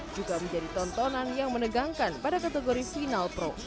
juga menjadi tontonan yang menegangkan pada kategori final pro